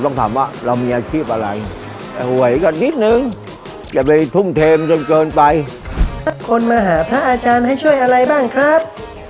คนมาหาพระอาจารย์ให้ช่วยอะไรบ้างครับ